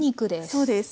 そうです。